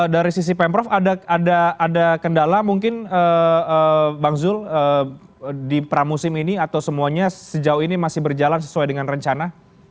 dari sisi pemprov ada kendala mungkin bang zul di pramusim ini atau semuanya sejauh ini masih berjalan sesuai dengan rencana